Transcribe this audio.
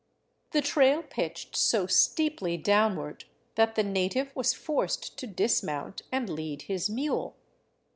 The trail pitched so steeply downward that the native was forced to dismount and lead his mule.